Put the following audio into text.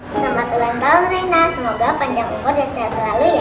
selamat ulang tahun reina semoga panjang upur dan sehat selalu ya